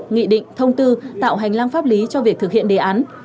nghị định thông tư tạo hành lang pháp lý cho việc thực hiện đề án